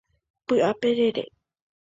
Py'aperere.